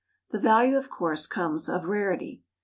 The value, of course, comes of rarity.